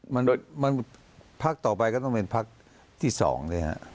มันพักต่อไปก็ต้องเป็นพักที่สองเลยฮะ